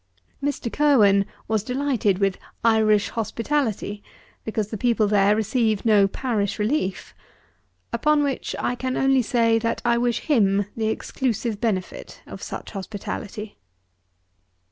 Mr. Curwen was delighted with "Irish hospitality," because the people there receive no parish relief; upon which I can only say, that I wish him the exclusive benefit of such hospitality.